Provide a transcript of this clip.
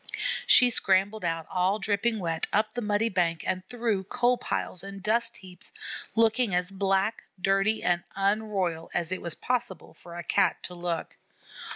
She scrambled out all dripping wet, up the muddy bank and through coal piles and dust heaps, looking as black, dirty, and unroyal as it was possible for a Cat to look.